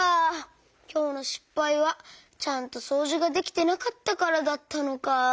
きょうのしっぱいはちゃんとそうじができてなかったからだったのか。